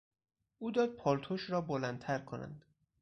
او داد پالتوش را بلندتر کنند.